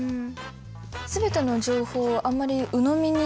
全ての情報をあんまりうのみにしちゃ。